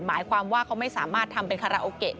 หมายความว่าเขาไม่สามารถทำเป็นคาราโอเกะ